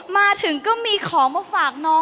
มาถึงก็มีของมาฝากน้อง